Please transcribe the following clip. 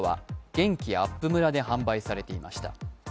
元気あっぷむらで販売されていました。